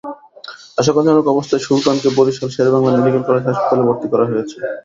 আশঙ্কাজনক অবস্থায় সুলতানকে বরিশাল শেরেবাংলা মেডিকেল কলেজ হাসপাতালে ভর্তি করা হয়েছে।